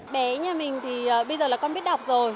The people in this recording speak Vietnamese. bé nhà mình thì bây giờ là con biết đọc rồi